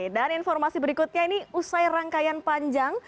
dan informasi berikutnya ini usai rangkaian panjang